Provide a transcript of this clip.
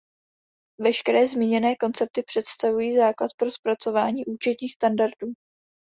Veškeré zmíněné koncepty představují základ pro zpracování účetních standardů.